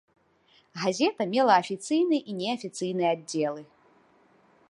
Газета мела афіцыйны і неафіцыйны аддзелы.